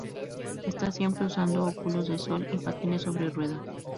Está siempre usando óculos de sol y patines sobre ruedas.